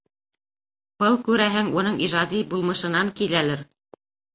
Был, күрәһең, уның ижади булмышынан киләлер.